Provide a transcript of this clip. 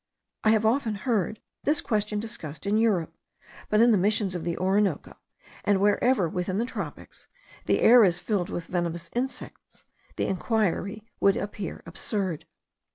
I have often heard this question discussed in Europe; but in the Missions of the Orinoco, and wherever, within the tropics, the air is filled with venomous insects, the inquiry would appear absurd.